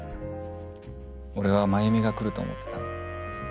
俺は繭美が来ると思ってたのに。